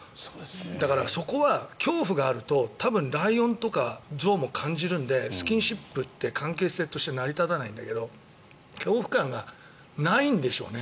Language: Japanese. だから、そこは恐怖があるとライオンとか象も感じるのでスキンシップって関係性として成り立たないんだけど恐怖感がないんでしょうね。